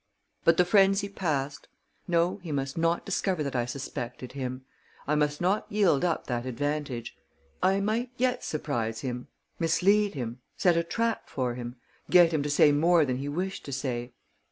But the frenzy passed. No, he must not discover that I suspected him; I must not yield up that advantage. I might yet surprise him, mislead him, set a trap for him, get him to say more than he wished to say.